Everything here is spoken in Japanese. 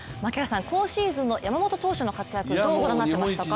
今シーズンの山本投手の活躍をどうご覧になりましたか。